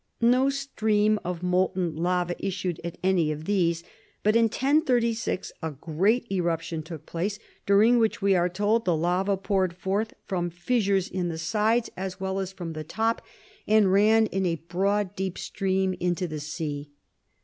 No stream of molten lava issued at any of these. But in 1036, a great eruption took place, during which, we are told, the lava poured forth from fissures in the sides, as well as from the top, and ran in a broad and deep stream into the sea.